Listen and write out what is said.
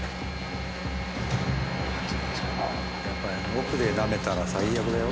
奥でなめたら最悪だよ。